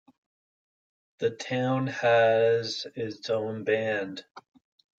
The town has its own band.